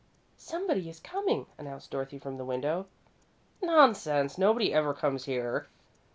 "Somebody is coming," announced Dorothy, from the window. "Nonsense! Nobody ever comes here."